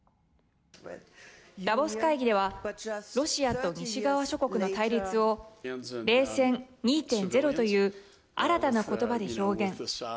ダボス会議ではロシアと西側諸国の対立を冷戦２．０という新たなことばで表現。